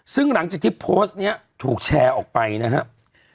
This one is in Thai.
ซึ่งหลังจากที่โพสต์นี้ถูกแชร์ออกไปนะครับ